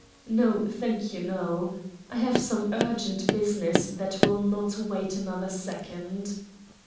"No, thank you. No. I have some urgent business that will not wait another second."